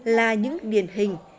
là những điển hình